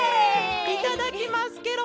いただきますケロ！